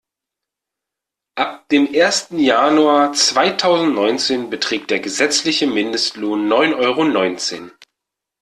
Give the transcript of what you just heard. Ab dem ersten Januar zweitausendneunzehn beträgt der gesetzliche Mindestlohn neun Euro neunzehn.